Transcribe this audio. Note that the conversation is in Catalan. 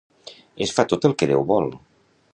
Es fa tot el que Déu vol.